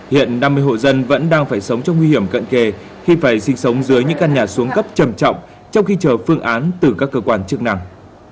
hiện năm mươi hộ dân vẫn đang phải sống trong nguy hiểm cận kề khi phải sinh sống dưới những căn nhà xuống cấp trầm trọng trong khi chờ phương án từ các cơ quan chức năng